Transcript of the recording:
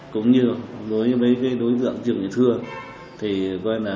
cũng như với đối tượng trương thị thưa